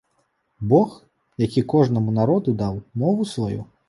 Бог, які кожнаму народу даў мову сваю?